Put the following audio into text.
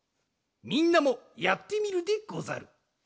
みんなもやってみるでござる。